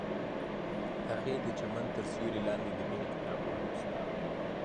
هغې د چمن تر سیوري لاندې د مینې کتاب ولوست.